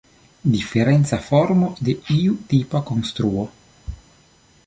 Diferenca formo de iu tipa konstruo.